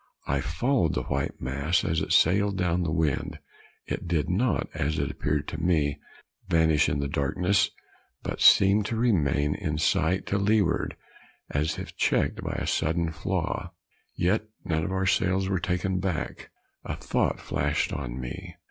I followed the white mass as it sailed down the wind; it did not, as it appeared to me, vanish in the darkness, but seemed to remain in sight to leeward, as if checked by a sudden flaw; yet none of our sails were taken aback. A thought flashed on me.